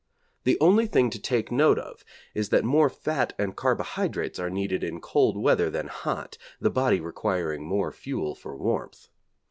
The only thing to take note of is that more fat and carbohydrates are needed in cold weather than hot, the body requiring more fuel for warmth.